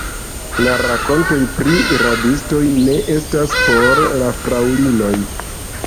La rakontoj pri rabistoj ne estas por la fraŭlinoj.